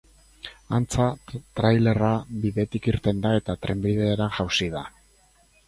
Antza, trailerra bidetik irten da eta trenbidera jausi da.